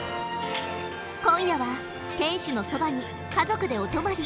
今夜は天守のそばに家族でお泊まり。